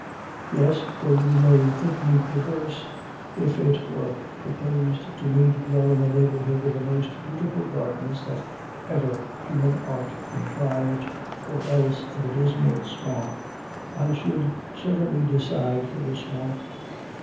Yes, though you may think me perverse, if it were proposed to me to dwell in the neighborhood of the most beautiful garden that ever human art contrived, or else of a Dismal swamp, I should certainly decide for the swamp.